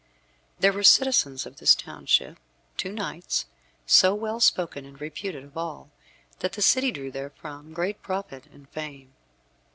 There were citizens of this township two knights, so well spoken and reputed of all, that the city drew therefrom great profit and fame.